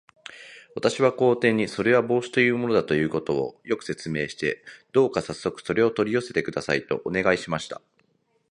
私は皇帝に、それは帽子というものだということを、よく説明して、どうかさっそくそれを取り寄せてください、とお願いしました。